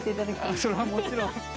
それはもちろん。